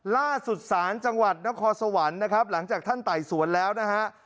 ล่าสุดศาลจังหวัดนครสวรรค์นะครับหลังจากท่านไต่สวนแล้วนะฮะ